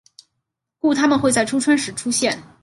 故它们会在初春时出现。